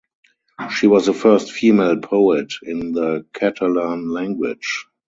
She was the first female poet in the Catalan language.